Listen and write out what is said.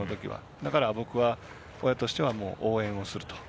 だから、僕は親としては応援をすると。